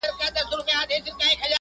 ته سینې څیره له پاسه د مرغانو.!